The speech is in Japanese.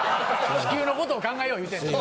地球のこと考えよう言うてんねん。